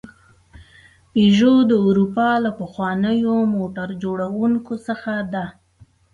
پيژو د اروپا له پخوانیو موټر جوړونکو څخه ده.